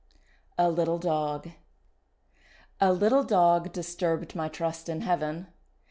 A LITTLE DOG A little dog disturbed my trust in Heaven.